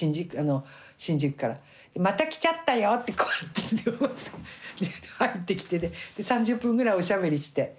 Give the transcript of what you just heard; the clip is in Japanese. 「また来ちゃったよ」ってこうやって入ってきてね３０分ぐらいおしゃべりして。